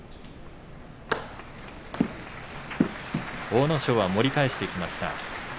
阿武咲は盛り返してきました。